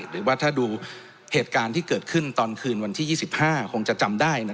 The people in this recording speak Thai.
หรือว่าถ้าดูเหตุการณ์ที่เกิดขึ้นตอนคืนวันที่๒๕คงจะจำได้